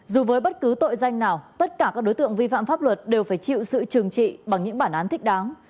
dù với bất cứ tội danh nào tất cả các đối tượng vi phạm pháp luật đều phải chịu sự trừng trị bằng những bản án thích đáng